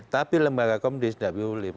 tapi lembaga komdis tidak boleh